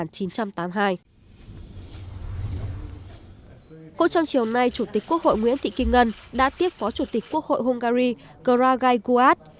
cũng trong chiều nay chủ tịch quốc hội nguyễn thị kinh ngân đã tiếp phó chủ tịch quốc hội hungary gragy guat